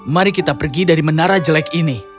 mari kita pergi dari menara jelek ini